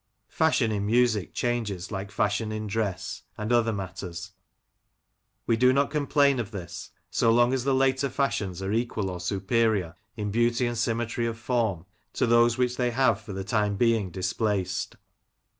Fashion in music ghanges like fashion in dress and other matters. We do not complain of this so long as the later fashions are equal or superior in beauty and symmetry of form to those which they have for the time being displaced.